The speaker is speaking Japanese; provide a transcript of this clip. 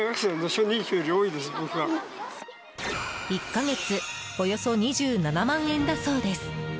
１か月およそ２７万円だそうです。